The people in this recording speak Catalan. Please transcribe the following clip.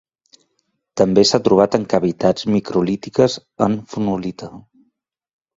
També s'ha trobat en cavitats microlítiques en fonolita.